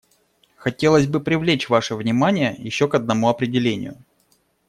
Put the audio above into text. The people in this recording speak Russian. Хотелось бы привлечь ваше внимание еще к одному определению.